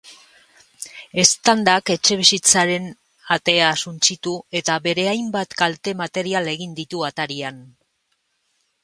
Eztandak etxebizitzaren atea suntsitu, eta beste hainbat kalte material egin ditu atarian.